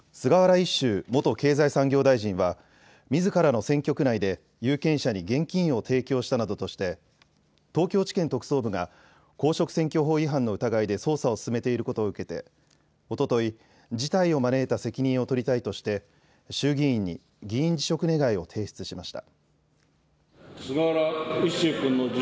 一秀元経済産業大臣はみずからの選挙区内で有権者に現金を提供したなどとして東京地検特捜部が公職選挙法違反の疑いで捜査を進めていることを受けておととい、事態を招いた責任を取りたいとして衆議院に議員辞職願を提出しました。